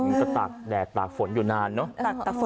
จะตากแดกตากฝนอยู่นานเนาะ